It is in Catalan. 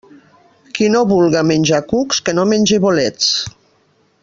Qui no vulga menjar cucs, que no menge bolets.